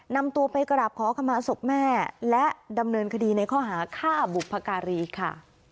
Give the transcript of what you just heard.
นำตัวไปกราบขอขมาศพแม่และดำเนินคดีในข้อหาฆ่าบุพการีค่ะ